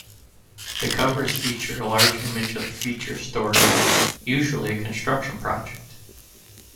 The covers featured a large image of the feature story, usually a construction project.